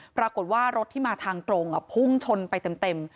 ปรากฏว่ารถที่มาทางตรงพุ่งชนไปเต็ม